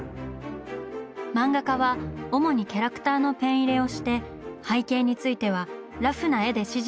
漫画家は主にキャラクターのペン入れをして背景についてはラフな絵で指示だけして任せます。